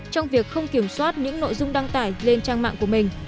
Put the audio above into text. trong việc không kiểm soát những nội dung đăng tải